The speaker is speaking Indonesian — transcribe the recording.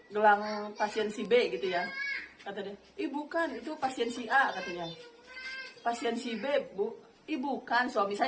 gelang pasien sibe gitu ya ibu kan itu pasien si a katanya pasien sibe bu ibu kan suami saya